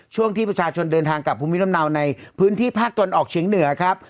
ช่วงที่ประชาชนเดินทางกับภูมิลำเนาในพื้นที่ภาคตะวันออกเฉียงเหนือครับ